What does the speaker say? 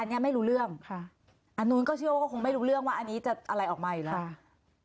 อันนี้ไม่รู้เรื่องค่ะอันนู้นก็เชื่อว่าก็คงไม่รู้เรื่องว่าอันนี้จะอะไรออกมาอยู่แล้ว